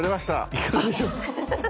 いかがでしょう？